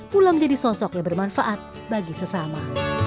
pula menjadi sosok yang bermanfaat bagi sesama